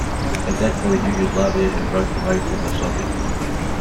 At that point, Yugoslavia had broken away from the Soviets.